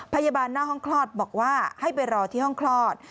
หน้าห้องคลอดบอกว่าให้ไปรอที่ห้องคลอด